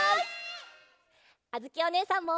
あづきおねえさんも！